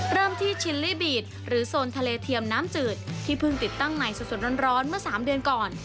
เริ่มที่ชิลลี่บีดหรือโซนทะเลเทียมน้ำจืดที่เพิ่งติดตั้งใหม่สดร้อนเมื่อ๓เดือนก่อน